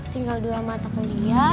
tinggal dua mata kuliah